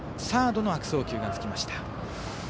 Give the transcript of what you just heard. サードの悪送球がつきました。